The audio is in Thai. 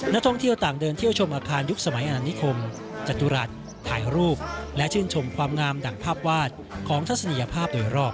นักท่องเที่ยวต่างเดินเที่ยวชมอาคารยุคสมัยอนานิคมจตุรัสถ่ายรูปและชื่นชมความงามดั่งภาพวาดของทัศนียภาพโดยรอบ